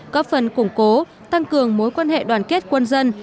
góp phần củng cố tăng cường mối quan hệ đoàn kết quân dân